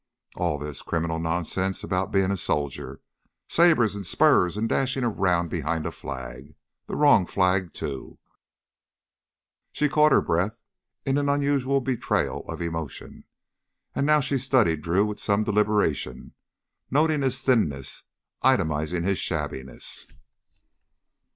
All this criminal nonsense about being a soldier sabers and spurs, and dashing around behind a flag, the wrong flag, too " She caught her breath in an unusual betrayal of emotion. And now she studied Drew with some deliberation, noting his thinness, itemizing his shabbiness.